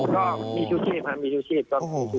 ก็มีชูชีพครับมีชูชีพครับ